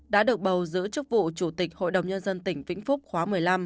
đã được bầu giữ chức vụ chủ tịch hội đồng nhân dân tỉnh vĩnh phúc khóa một mươi năm